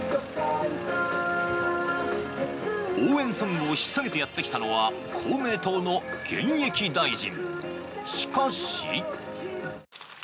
応援ソングをひっさげてやってきたのは、公明党の現役大臣。